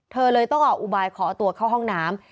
เธอเลยต้องออกอุบายขอตัวเข้าห้องน้ำ